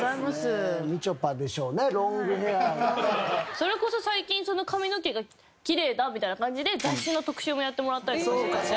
それこそ最近髪の毛がきれいだみたいな感じで雑誌の特集もやってもらったりとかしてたんで。